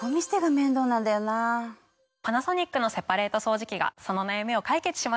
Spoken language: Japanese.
パナソニックのセパレート掃除機がその悩みを解決しました。